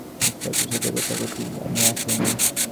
জিনিসপত্রের সাথে গোতাগোতি করতে তো আমি আসিনি।